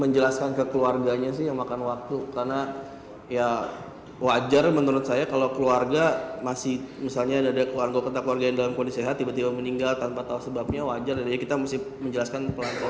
menjelaskan ke keluarganya sih yang makan waktu karena ya wajar menurut saya kalau keluarga masih misalnya ada keluarga keluarga yang dalam kondisi sehat tiba tiba meninggal tanpa tahu sebabnya wajar kita mesti menjelaskan pelan pelan